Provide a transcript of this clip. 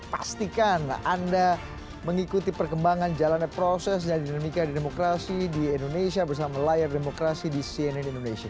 pastikan anda mengikuti perkembangan jalannya proses dan dinamika demokrasi di indonesia bersama layar demokrasi di cnn indonesia